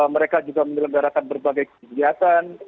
mereka juga menyelenggarakan berbagai kegiatan